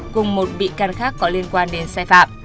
cùng một bị can khác có liên quan đến sai phạm